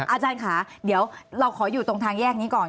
อาจารย์ค่ะเดี๋ยวเราขออยู่ตรงทางแยกนี้ก่อน